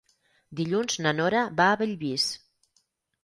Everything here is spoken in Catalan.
Dilluns na Nora va a Bellvís.